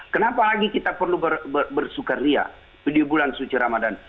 kenapa lagi kita perlu bersukaria di bulan suci ramadan